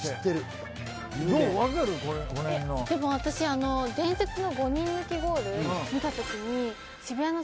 でも私伝説の５人抜きゴール見たときに。